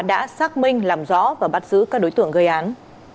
đã xác minh làm rõ và bắt giữ các đối tượng gây án